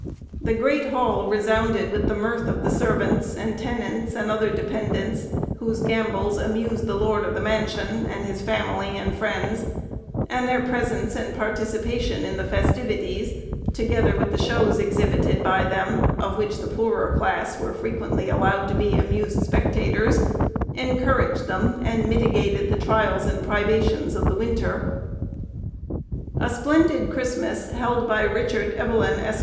The great hall resounded with the mirth of the servants, and tenants, and other dependents, whose gambols amused the lord of the mansion, and his family, and friends; and their presence and participation in the festivities, together with the shows exhibited by them, of which the poorer class were frequently allowed to be the amused spectators, encouraged them, and mitigated the trials and privations of the winter. A splendid Christmas, held by Richard Evelyn, Esq.